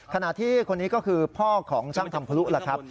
ขณะที่คนนี้ก็คือพ่อของช่างทำพลุล่ะครับ